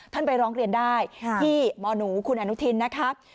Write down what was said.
ไปร้องเรียนได้ที่หมอหนูคุณอนุทินนะครับ